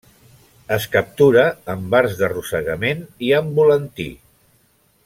Es captura amb arts d'arrossegament i amb volantí.